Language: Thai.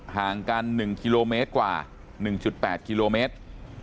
ห่างกัน๑กิโลเมตรกว่า๑๘กิโลเมตร